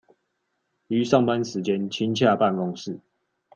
於上班時間親洽辦公室